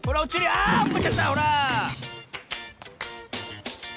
あおっこっちゃったほら！